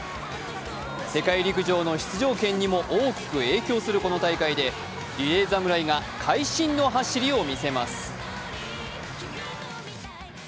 世界陸上の出場権にも大きく影響するこの大会でリレー侍が会心の走りを見せます。